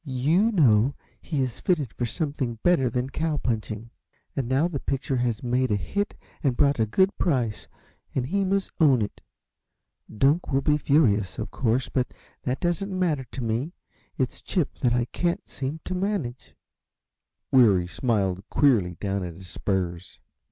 YOU know he is fitted for something better than cow punching. And now the picture has made a hit and brought a good price, and he must own it. Dunk will be furious, of course, but that doesn't matter to me it's Chip that I can't seem to manage." Weary smiled queerly down at his spurs.